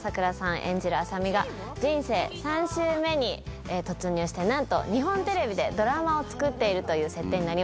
演じる麻美が人生３周目に突入してなんと日本テレビでドラマを作っているという設定になります。